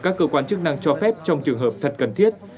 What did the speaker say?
các cơ quan chức năng cho phép trong trường hợp thật cần thiết